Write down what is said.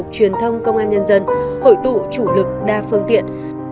là cục truyền thông công an nhân dân hội tụ chủ lực đa phương tiện